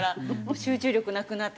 集中力なくなって。